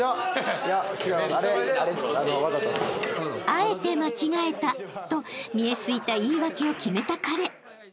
［「あえて間違えた」と見え透いた言い訳を決めた彼］